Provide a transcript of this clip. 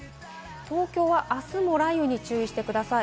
東京はあすも雷雨に注意してください。